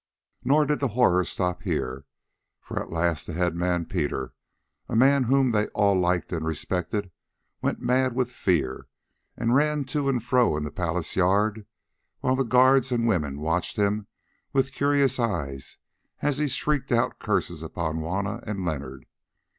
Nor did the horror stop here, for at last the headman Peter, a man whom they all liked and respected, went mad with fear and ran to and fro in the palace yard while the guards and women watched him with curious eyes as he shrieked out curses upon Juanna and Leonard.